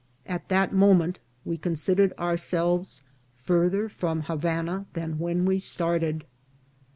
At that moment we considered ourselves farther from Ha vana than when we started.